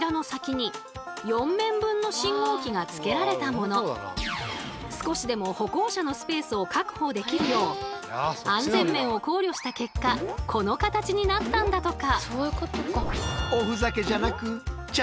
実はご覧のとおり少しでも歩行者のスペースを確保できるよう安全面を考慮した結果この形になったんだとか。